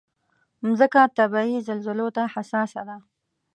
مځکه طبعي زلزلو ته حساسه ده.